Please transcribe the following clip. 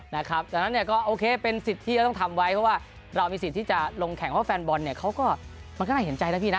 ดังนั้นเนี่ยก็โอเคเป็นสิทธิ์ที่จะต้องทำไว้เพราะว่าเรามีสิทธิ์ที่จะลงแข่งเพราะแฟนบอลเนี่ยเขาก็มันก็น่าเห็นใจนะพี่นะ